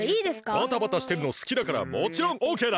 バタバタしてるのすきだからもちろんオッケーだ！